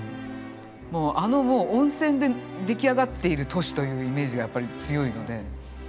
もうあの温泉でできあがっている都市というイメージがやっぱり強いので。